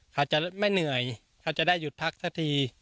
เขาจะไม่เหนื่อยเขาจะได้หยุดพักสักที